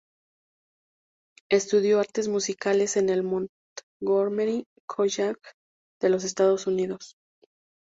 Estudió Artes Musicales en el Montgomery College de los Estados Unidos.